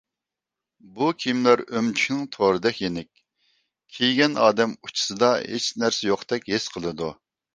بۇ كىيىملەر ئۆمۈچۈكنىڭ تورىدەك يېنىك، كىيگەن ئادەم ئۇچىسىدا ھېچنەرسە يوقتەك ھېس قىلىدۇ.